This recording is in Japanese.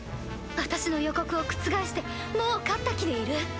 私の予告を覆してもう勝った気でいる？